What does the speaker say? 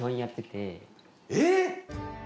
えっ！？